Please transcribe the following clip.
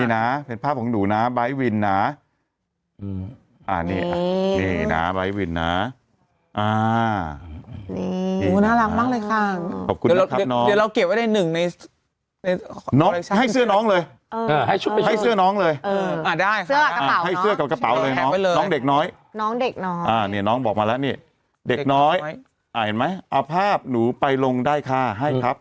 น้องเด็กน้อยน้องบอกมาแล้วนี่เด็กน้อยอ่ะเห็นไหมเอาภาพหนูไปลงได้ค่ะให้ครับ